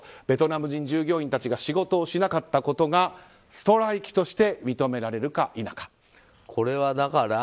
ベトナム人従業員たちが仕事をしなかったことがストライキとして認められるか否か。